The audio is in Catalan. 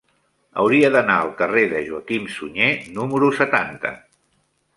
Hauria d'anar al carrer de Joaquim Sunyer número setanta.